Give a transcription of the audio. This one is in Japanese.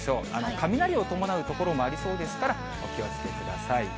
雷を伴う所もありそうですから、お気をつけください。